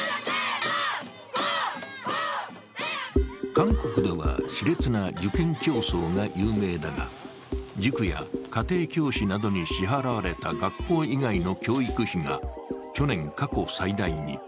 韓国ではしれつな受験競争が有名だが塾や家庭教師などに支払われた学校以外の教育費が去年過去最大に。